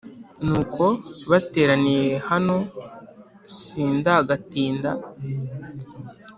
Nuko bateraniye hano sindagatinda